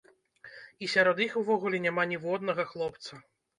І сярод іх увогуле няма ніводнага хлопца!